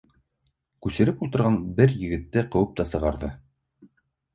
Күсереп ултырған бер егетте ҡыуып та сығарҙы.